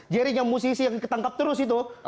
jering yang musisi yang ketangkap terus itu